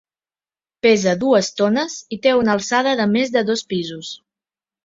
Pesa dues tones i té una alçada de més de dos pisos.